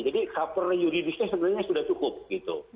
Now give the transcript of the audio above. jadi cover yuridisnya sebenarnya sudah cukup gitu